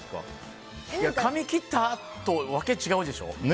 髪切った？とわけが違うでしょ。